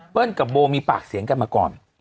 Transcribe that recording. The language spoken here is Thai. กับโบมีปากเสียงกันมาก่อน